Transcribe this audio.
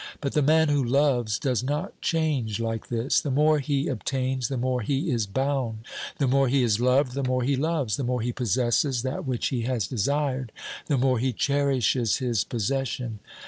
But the man who loves does not change like this; the more he obtains, the more he is bound ; the more he is loved, the more he loves ; the more he possesses that which he has OBERMANN 263 desired, the more he cherishes his possession.